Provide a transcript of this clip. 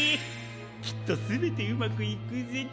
きっとすべてうまくいくぜ！